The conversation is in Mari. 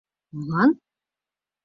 «Молан?..